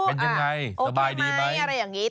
เป็นยังไงสบายดีไหม